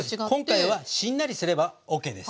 今回はしんなりすればＯＫです。